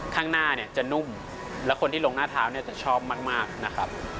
ข้างหน้าจะนุ่มและคนที่ลงหน้าเท้าจะชอบมากนะครับ